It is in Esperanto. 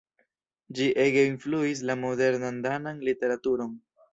Ĝi ege influis la modernan danan literaturon.